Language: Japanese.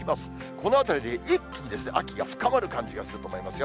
このあたりで一気に秋が深まる感じがすると思いますよ。